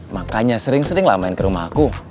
makanya sering sering lah main ke rumah aku